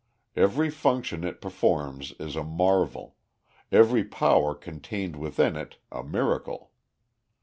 Every function it performs is a marvel, every power contained within it a miracle.